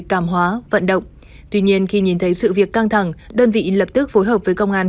cảm hóa vận động tuy nhiên khi nhìn thấy sự việc căng thẳng đơn vị lập tức phối hợp với công an